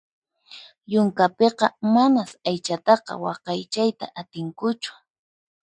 Yunkapiqa manas aychataqa waqaychayta atinkuchu.